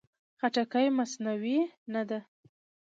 خټکی مصنوعي نه ده.